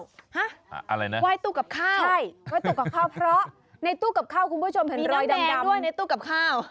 ว่ายตู้กับข้าวเพราะในตู้กับข้าวคุณผู้ชมเห็นรอยดำมีน้ำแบงด้วยในตู้กับข้าว